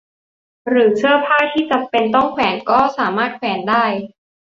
หรือเสื้อผ้าที่จำเป็นต้องแขวนก็สามารถแขวนได้